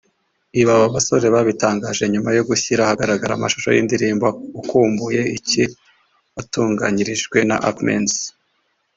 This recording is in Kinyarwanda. Ibi aba basore babitangaje nyuma yo gushyira ahagaragara amashusho y’indirimbo Ukumbuye iki batunganyirijwe na Ark Menz